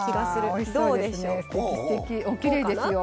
おきれいですよ。